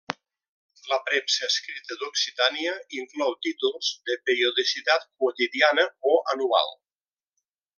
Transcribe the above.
La premsa escrita d'Occitània inclou títols de periodicitat quotidiana o anual.